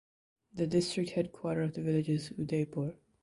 The District headquarter of the village is Udaipur.